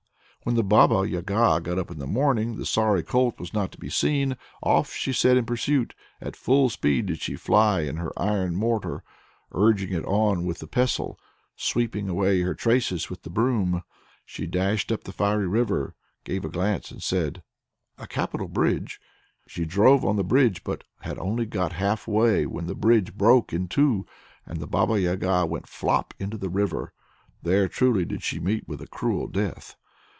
When the Baba Yaga got up in the morning, the sorry colt was not to be seen! Off she set in pursuit. At full speed did she fly in her iron mortar, urging it on with the pestle, sweeping away her traces with the broom. She dashed up to the fiery river, gave a glance, and said, "A capital bridge!" She drove on to the bridge, but had only got half way when the bridge broke in two, and the Baba Yaga went flop into the river. There truly did she meet with a cruel death!